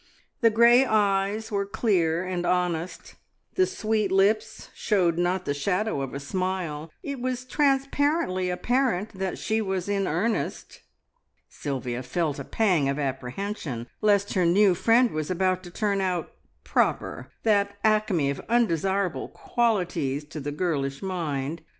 The grey eyes were clear and honest, the sweet lips showed not the shadow of a smile; it was transparently apparent that she was in earnest. Sylvia felt a pang of apprehension lest her new friend was about to turn out "proper," that acme of undesirable qualities to the girlish mind.